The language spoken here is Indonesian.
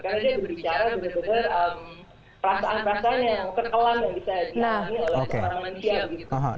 karena dia berbicara benar benar perasaan perasaan yang ketelan yang bisa diadakan oleh orang manusia